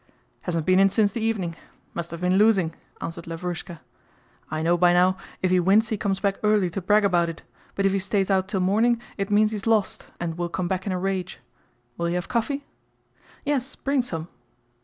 "Hasn't been in since the evening. Must have been losing," answered Lavrúshka. "I know by now, if he wins he comes back early to brag about it, but if he stays out till morning it means he's lost and will come back in a rage. Will you have coffee?" "Yes, bring some."